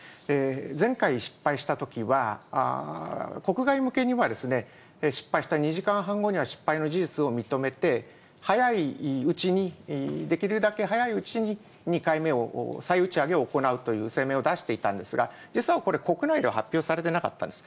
前回失敗したときは、国外向けには失敗した２時間半後には、失敗の事実を認めて、早いうちに、できるだけ早いうちに２回目を、再打ち上げを行うという声明を出していたんですが、実はこれ、国内では発表されてなかったんです。